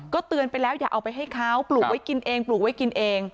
เตือนไปแล้วอย่าเอาไปให้เขาปลูกไว้กินเองปลูกไว้กินเอง